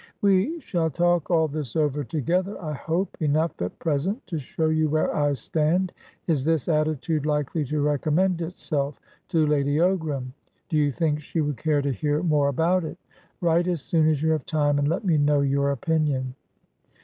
"We shall talk all this over together, I hope. Enough at present to show you where I stand. Is this attitude likely to recommend itself to Lady Ogram? Do you think she would care to hear more about it? Write as soon as you have time, and let me know your opinion."